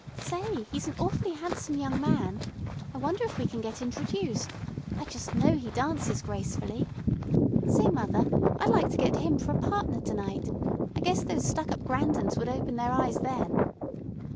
Say, he's an awfully handsome young man. I wonder if we can get introduced. I just know he dances gracefully. Say, mother, I'd like to get him for a partner to night. I guess those stuck up Grandons would open their eyes then."